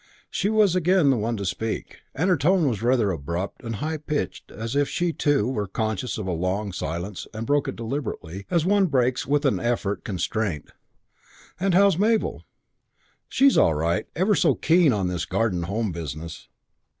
She was again the one to speak, and her tone was rather abrupt and high pitched as if she, too, were conscious of a long silence and broke it deliberately, as one breaks, with an effort, constraint. "And how's Mabel?" "She's all right. She's ever so keen on this Garden Home business."